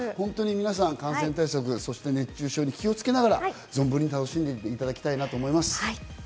本当に皆さん感染対策、そして熱中症に気をつけながら存分に楽しんでいただきたいなと思います。